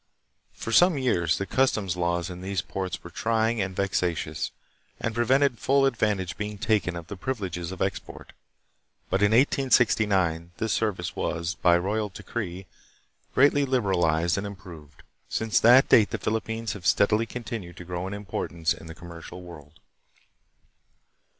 For some years the customs laws in these ports were trying and vexatious, and prevented full ad vantage being taken of the privileges of export; but in 1869 this service was, by royal decree, greatly liberalized and improved. Since that date the Philippines have steadily continued to grow in importance in the com mercial world.